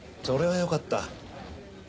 それはよかった。